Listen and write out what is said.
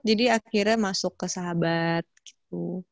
jadi akhirnya masuk ke sahabat gitu